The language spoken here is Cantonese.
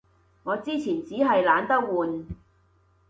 我之前衹係懶得換